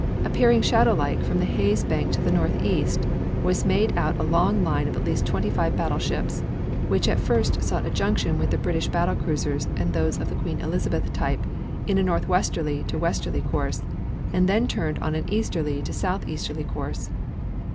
Appearing shadow like from the haze bank to the northeast was made out a long line of at least twenty five battleships, which at first sought a junction with the British battle cruisers and those of the Queen Elizabeth type on a northwesterly to westerly course, and then turned on an easterly to southeasterly course.